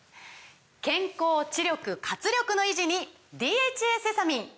健康・知力・活力の維持に「ＤＨＡセサミン」！